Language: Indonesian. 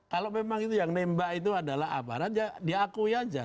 kalau memang itu yang nembak itu adalah aparat ya diakui aja